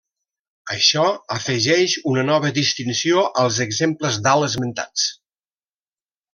Això afegeix una nova distinció als exemples dalt esmentats.